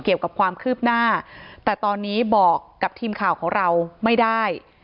เกี่ยวกับความคืบหน้าแต่ตอนนี้บอกกับทีมข่าวของเราไม่ได้